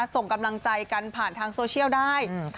ส่งกำลังใจกันผ่านทางโซเชียลได้